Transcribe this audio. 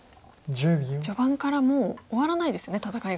序盤からもう終わらないですね戦いが。